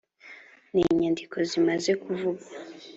n inyandiko zimaze kuvugwa